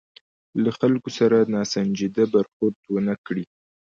له خلکو سره ناسنجیده برخورد ونه کړي.